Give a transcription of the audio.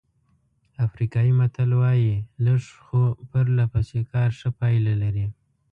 افریقایي متل وایي لږ خو پرله پسې کار ښه پایله لري.